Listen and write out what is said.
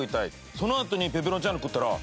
そのあとにぺぺロンチャーノ食ったら。